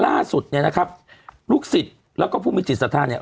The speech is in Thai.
ล่าสุดเนี่ยนะครับลูกศิษย์แล้วก็ผู้มีจิตศรัทธาเนี่ย